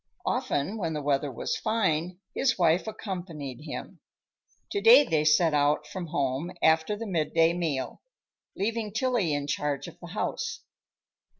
Often, when the weather was fine, his wife accompanied him. To day they set out from home after the midday meal, leaving Tillie in charge of the house.